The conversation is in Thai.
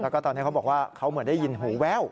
แล้วก็ตอนนี้เขาบอกว่าเขาเหมือนได้ยินหูแว่ว